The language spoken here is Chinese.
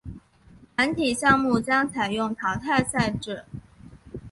团体项目将采用淘汰赛制。